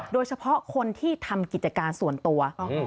โดยเฉพาะคนที่ทำกิจการส่วนตัว